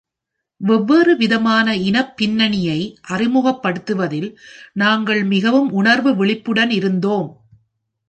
வெவ்வேறு விதமான இனப் பின்னணியை அறிமுகப்படுத்துவதில் நாங்கள் மிகவும் உணர்வுவிழிப்புடன் இருந்தோம்.